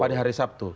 pada hari sabtu